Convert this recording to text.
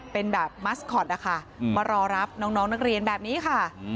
เป็นแบบมัสคอตนะคะมารอรับน้องนักเรียนแบบนี้ค่ะ